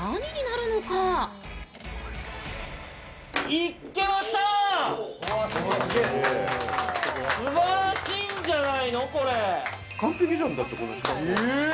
いけました、すばらしいんじゃないの、これ。